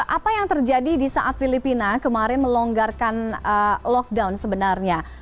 apa yang terjadi di saat filipina kemarin melonggarkan lockdown sebenarnya